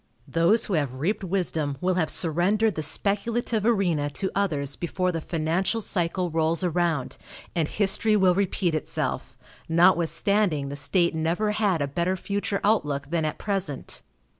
Those who have reaped wisdom will have surrendered the speculative arena to others before the financial cycle rolls around, and history will repeat itself, notwithstanding the state never had a better future outlook than at present.